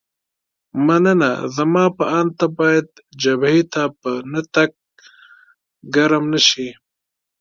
مننه، زما په اند ته باید جبهې ته په نه تګ ګرم نه شې.